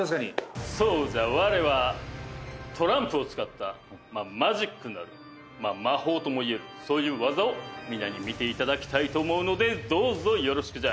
そうじゃわれはトランプを使ったマジックなる魔法ともいえるそういう技を皆に見ていただきたいと思うのでどうぞよろしくじゃ。